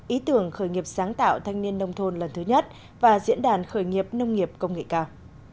ý tưởng khởi nghiệp sáng tạo thanh niên nông thôn lần thứ nhất và diễn đàn khởi nghiệp nông nghiệp công nghệ cao